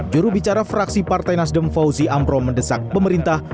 jurubicara fraksi partai nasdem fauzi amro mendesak pemerintah